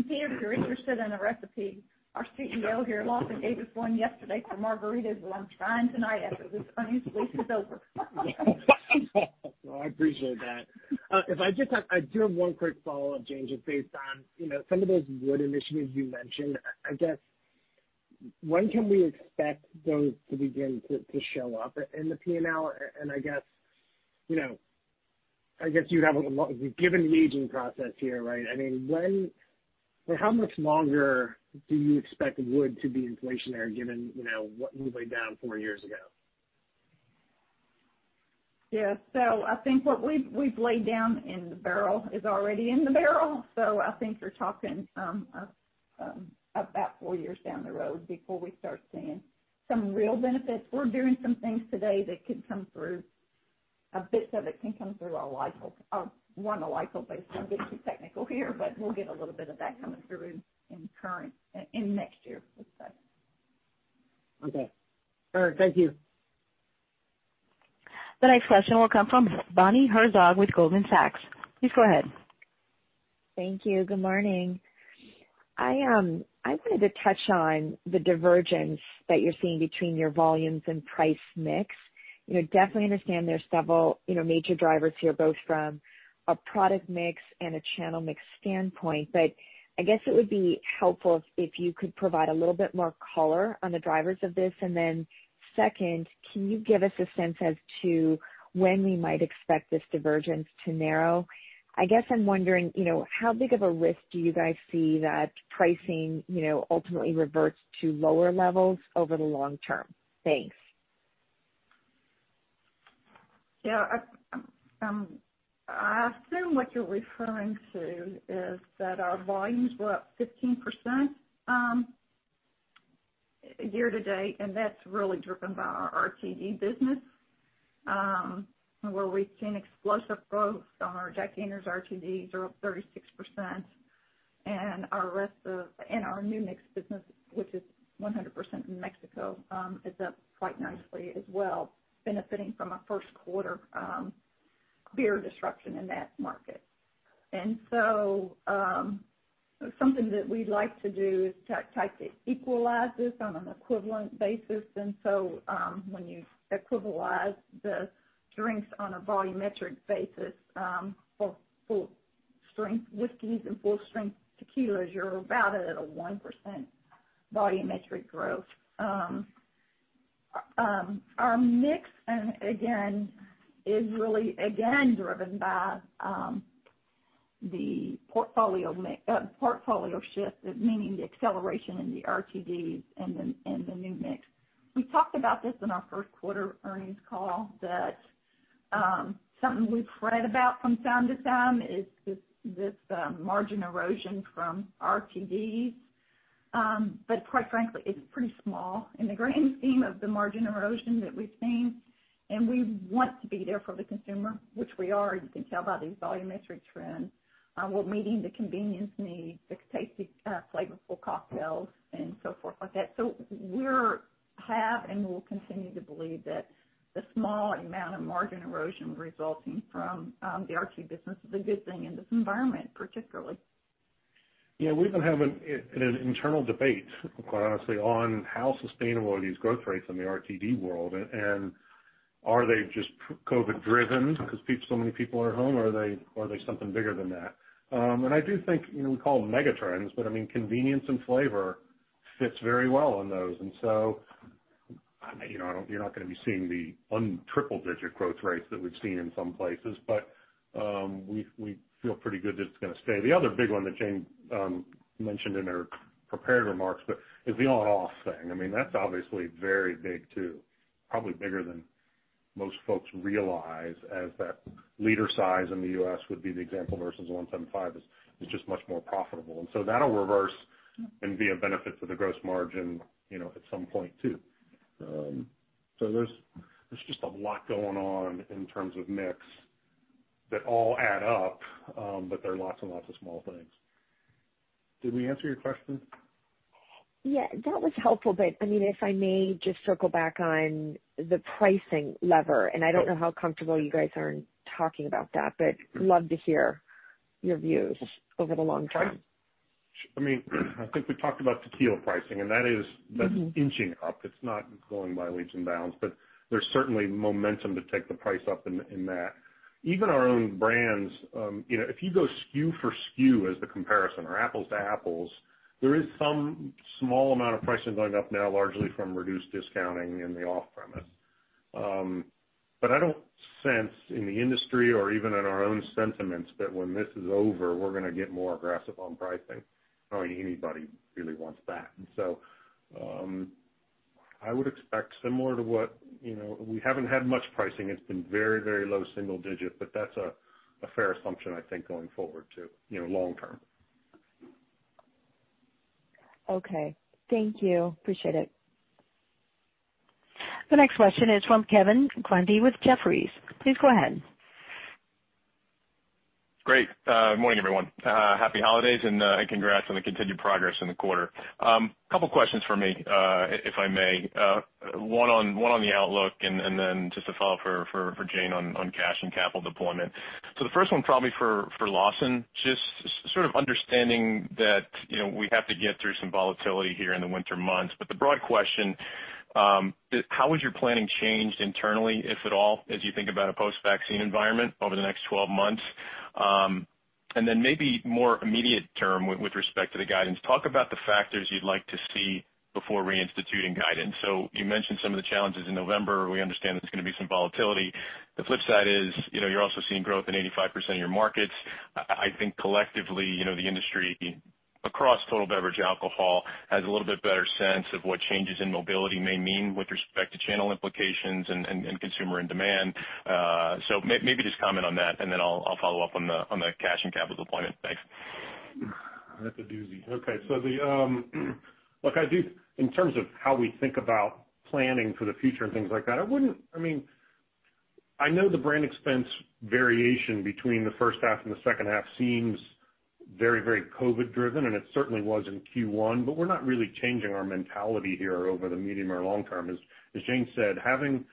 Peter, if you're interested in a recipe, our CEO here Lawson gave us one yesterday for margaritas. Well, I'm trying tonight after this earnings release is over. I appreciate that. I do have one quick follow-up, Jane, just based on some of those wood initiatives you mentioned. I guess, when can we expect those to begin to show up in the P&L? I guess you'd have a given aging process here, right? How much longer do you expect wood to be inflationary given what you laid down four years ago? Yeah. I think what we've laid down in the barrel is already in the barrel. I think you're talking about four years down the road before we start seeing some real benefits. We're doing some things today that could come through, a bit of it can come through our LIFO. I'm getting too technical here, but we'll get a little bit of that coming through in next year, let's say. Okay. Thank you. The next question will come from Bonnie Herzog with Goldman Sachs. Please go ahead. Thank you. Good morning. I wanted to touch on the divergence that you're seeing between your volumes and price mix. Definitely understand there's several major drivers here, both from a product mix and a channel mix standpoint. I guess it would be helpful if you could provide a little bit more color on the drivers of this. Second, can you give us a sense as to when we might expect this divergence to narrow? I guess I'm wondering how big of a risk do you guys see that pricing ultimately reverts to lower levels over the long term? Thanks. Yeah. I assume what you're referring to is that our volumes were up 15% year-to-date, and that's really driven by our RTD business, where we've seen explosive growth on our Jack Daniel's RTDs are up 36%. Our New Mix business, which is 100% in Mexico, is up quite nicely as well, benefiting from a first quarter beer disruption in that market. Something that we like to do is to try to equalize this on an equivalent basis. When you equivalize the drinks on a volumetric basis, for full-strength whiskeys and full-strength tequilas, you're about at a 1% volumetric growth. Our mix, again, is really driven by the portfolio shift, meaning the acceleration in the RTDs and the New Mix. We talked about this in our first quarter earnings call, that something we've read about from time to time is this margin erosion from RTDs. Quite frankly, it's pretty small in the grand scheme of the margin erosion that we've seen. We want to be there for the consumer, which we are. You can tell by these volumetric trends. We're meeting the convenience need, the tasty, flavorful cocktails and so forth like that. We have and will continue to believe that the small amount of margin erosion resulting from the RTD business is a good thing in this environment, particularly. Yeah, we've been having an internal debate, quite honestly, on how sustainable are these growth rates in the RTD world. Are they just COVID driven because so many people are at home, or are they something bigger than that? I do think, we call them megatrends. Convenience and flavor fits very well in those. You're not going to be seeing the triple-digit growth rates that we've seen in some places. We feel pretty good that it's going to stay. The other big one that Jane mentioned in her prepared remarks is the on-off thing. That's obviously very big too. Probably bigger than most folks realize as that liter size in the U.S. would be the example, versus 175 is just much more profitable. That'll reverse and be a benefit to the gross margin at some point too. There's just a lot going on in terms of mix that all add up. They're lots and lots of small things. Did we answer your question? Yeah, that was helpful. If I may just circle back on the pricing lever. I don't know how comfortable you guys are in talking about that. Love to hear your views over the long term. I think we talked about tequila pricing, and that's inching up. It's not going by leaps and bounds, but there's certainly momentum to take the price up in that. Even our own brands, if you go SKU for SKU as the comparison or apples to apples, there is some small amount of pricing going up now, largely from reduced discounting in the off-premise. I don't sense in the industry or even in our own sentiments that when this is over, we're going to get more aggressive on pricing. I don't think anybody really wants that. I would expect similar to what. We haven't had much pricing. It's been very low single digit, but that's a fair assumption, I think, going forward too, long term. Okay. Thank you. Appreciate it. The next question is from Kevin Grundy with Jefferies. Please go ahead. Great. Good morning, everyone. Happy holidays and congrats on the continued progress in the quarter. Couple questions for me, if I may. One on the outlook and then just to follow up for Jane on cash and capital deployment. The first one, probably for Lawson, just sort of understanding that we have to get through some volatility here in the winter months. The broad question, how has your planning changed internally, if at all, as you think about a post-vaccine environment over the next 12 months? Then maybe more immediate term with respect to the guidance, talk about the factors you'd like to see before reinstituting guidance. You mentioned some of the challenges in November. We understand there's going to be some volatility. The flip side is you're also seeing growth in 85% of your markets. I think collectively, the industry across total beverage alcohol has a little bit better sense of what changes in mobility may mean with respect to channel implications and consumer and demand. Maybe just comment on that and then I'll follow up on the cash and capital deployment. Thanks. That's a doozy. Okay. In terms of how we think about planning for the future and things like that, I know the brand expense variation between the first half and the second half seems very COVID-driven, and it certainly was in Q1, we're not really changing our mentality here over the medium or long term. As Jane said, having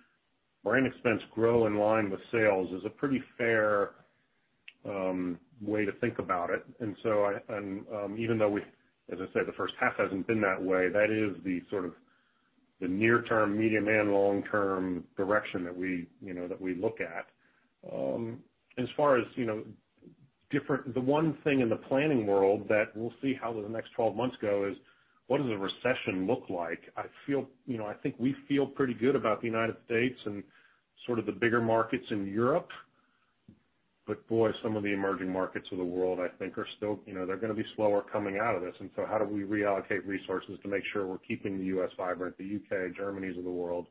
brand expense grow in line with sales is a pretty fair way to think about it. Even though, as I said, the first half hasn't been that way, that is the sort of the near-term, medium- and long-term direction that we look at. As far as different, the one thing in the planning world that we'll see how the next 12 months go is, what does a recession look like? I think we feel pretty good about the United States and sort of the bigger markets in Europe. Boy, some of the emerging markets of the world, I think they're going to be slower coming out of this. How do we reallocate resources to make sure we're keeping the U.S. vibrant, the U.K., Germanys of the world,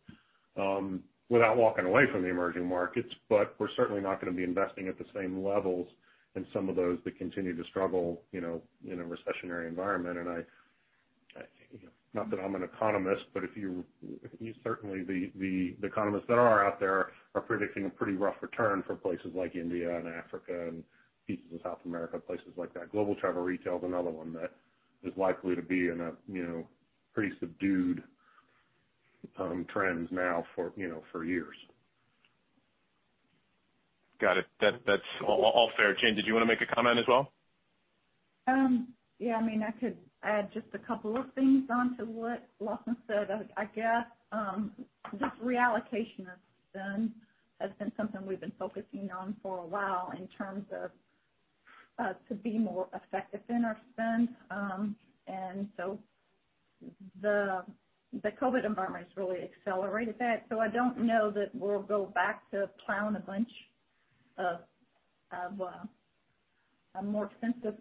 without walking away from the emerging markets, but we're certainly not going to be investing at the same levels in some of those that continue to struggle in a recessionary environment. Not that I'm an economist, but certainly, the economists that are out there are predicting a pretty rough return for places like India and Africa and pieces of South America, places like that. Global travel retail is another one that is likely to be in a pretty subdued trends now for years. Got it. That's all fair. Jane, did you want to make a comment as well? Yeah. I could add just a couple of things onto what Lawson said. I guess, this reallocation has been something we've been focusing on for a while in terms of to be more effective in our spend. The COVID environment has really accelerated that. I don't know that we'll go back to plowing a bunch of more expensive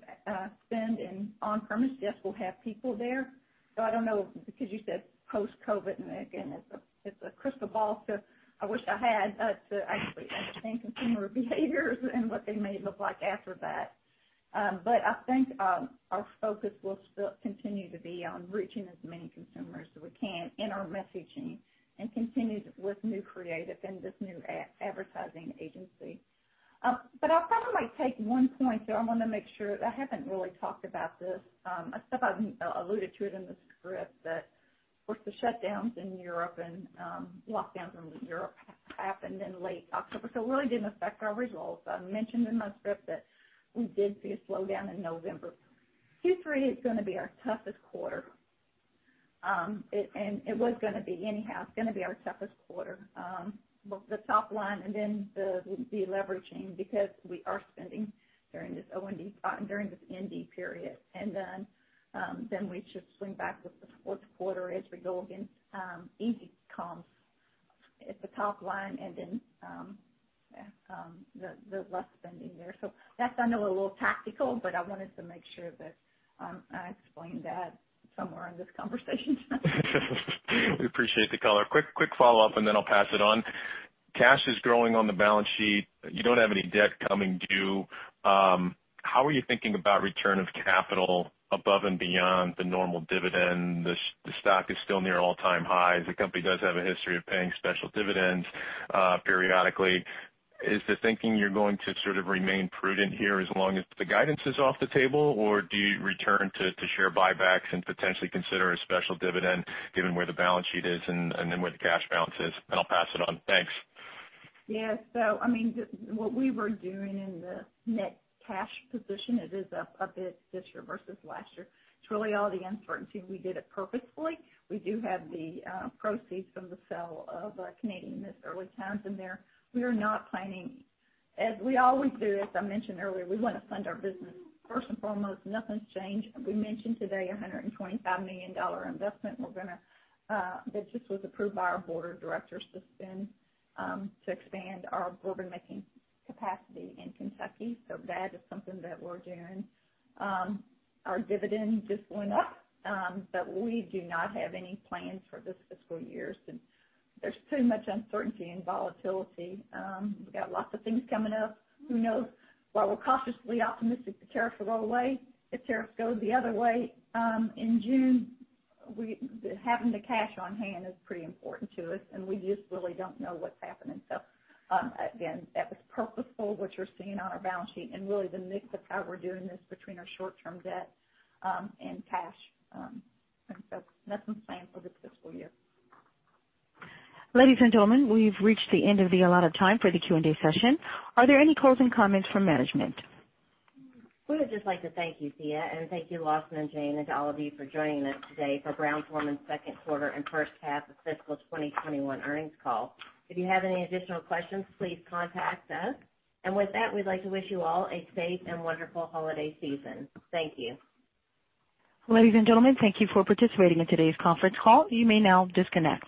spend in on-premise. Yes, we'll have people there. I don't know, because you said post-COVID, and again, it's a crystal ball. I wish I had to actually understand consumer behaviors and what they may look like after that. I think our focus will still continue to be on reaching as many consumers as we can in our messaging and continue with new creative and this new advertising agency. I probably might take one point, though, I want to make sure, I haven't really talked about this. I alluded to it in the script, that, of course, the lockdowns in Europe happened in late October, so it really didn't affect our results. I mentioned in my script that we did see a slowdown in November. Q3 is going to be our toughest quarter. It was going to be anyhow. It's going to be our toughest quarter. Both the top line and then the deleveraging because we are spending during this A&P. Then, we should swing back with the fourth quarter as we go against easy comps at the top line and then the less spending there. That's, I know, a little tactical, but I wanted to make sure that I explained that somewhere in this conversation. We appreciate the color. Quick follow-up, I'll pass it on. Cash is growing on the balance sheet. You don't have any debt coming due. How are you thinking about return of capital above and beyond the normal dividend? The stock is still near all-time highs. The company does have a history of paying special dividends periodically. Is the thinking you're going to sort of remain prudent here as long as the guidance is off the table, or do you return to share buybacks and potentially consider a special dividend given where the balance sheet is and then where the cash balance is? I'll pass it on. Thanks. Yeah. What we were doing in the net cash position, it is up a bit this year versus last year. It's really all the uncertainty. We did it purposefully. We do have the proceeds from the sale of Canadian Mist Early Times in there. We are not planning. As we always do, as I mentioned earlier, we want to fund our business first and foremost. Nothing's changed. We mentioned today $125 million investment that just was approved by our board of directors to spend to expand our bourbon-making capacity in Kentucky. That is something that we're doing. Our dividend just went up, but we do not have any plans for this fiscal year since there's too much uncertainty and volatility. We've got lots of things coming up. Who knows? While we're cautiously optimistic the tariffs will go away, if tariffs go the other way in June, having the cash on hand is pretty important to us, and we just really don't know what's happening. Again, that was purposeful, what you're seeing on our balance sheet, and really the mix of how we're doing this between our short-term debt and cash. Nothing's planned for this fiscal year. Ladies and gentlemen, we've reached the end of the allotted time for the Q&A session. Are there any closing comments from management? We would just like to thank you, Sia, and thank you, Lawson and Jane, and to all of you for joining us today for Brown-Forman's second quarter and first half of fiscal 2021 earnings call. If you have any additional questions, please contact us. With that, we'd like to wish you all a safe and wonderful holiday season. Thank you. Ladies and gentlemen, thank you for participating in today's conference call. You may now disconnect.